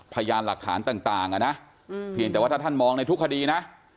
พยานหลักฐานต่างอ่ะนะเพียงแต่ว่าถ้าท่านมองในทุกคดีนะ